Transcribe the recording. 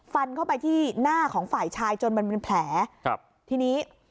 ฟันเข้าไปที่หน้าของฝ่ายชายจนมันมีแผลครับทีนี้